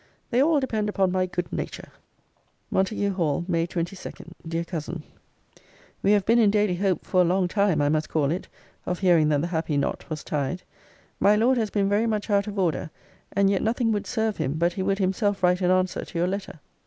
They all depend upon my good nature. M. HALL, MAY 22. DEAR COUSIN, We have been in daily hope for a long time, I must call it, of hearing that the happy knot was tied. My Lord has been very much out of order: and yet nothing would serve him, but he would himself write an answer to your letter.